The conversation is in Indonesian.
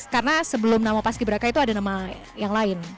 karena sebelum nama paskibraka itu ada nama yang lain